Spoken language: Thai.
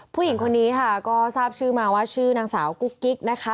ผู้หญิงคนนี้ค่ะก็ทราบชื่อมาว่าชื่อนางสาวกุ๊กกิ๊กนะคะ